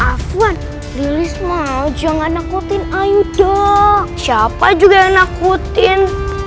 afwan rilis mau jangan nakutin ayu jok siapa juga nakutin